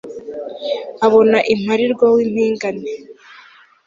abona imparirwa w'impingane